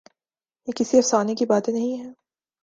یہ کسی افسانے کی باتیں نہیں ہیں۔